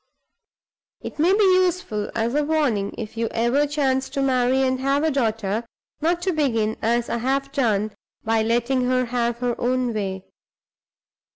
"It may be useful as a warning, if you ever chance to marry and have a daughter, not to begin, as I have done, by letting her have her own way."